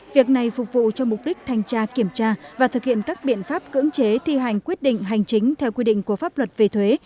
việc này phục vụ cho mục đích thanh tra kiểm tra và thực hiện các biện pháp cưỡng chế thi hành quyết định hành chính theo quy định của pháp luật về thuế